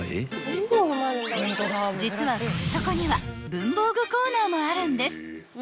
［実はコストコには文房具コーナーもあるんです］